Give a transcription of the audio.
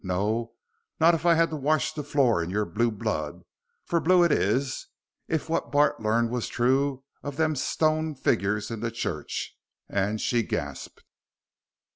No, not if I had to wash the floor in your blue blood for blue it is, if what Bart learned was true of them stone figgers in the church," and she gasped.